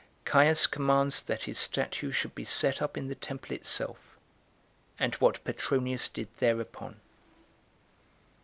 Caius Commands That His Statue Should Be Set Up In The Temple Itself; And What Petronius Did Thereupon.